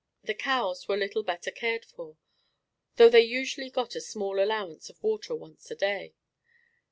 The cows were little better cared for, though they usually got a small allowance of water once a day.